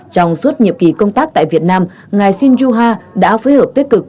trong suốt nhiệm kỳ công tác tại việt nam ngài shin ju ha đã phối hợp tích cực